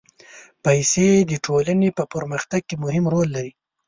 پېسې د ټولنې په پرمختګ کې مهم رول لري.